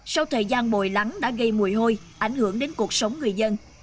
sau thời gian bồi lắng đã gây mùi hôi ảnh hưởng đến cuộc sống người dân